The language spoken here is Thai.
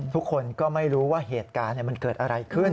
ทุกคนก็ไม่รู้ว่าเหตุการณ์มันเกิดอะไรขึ้น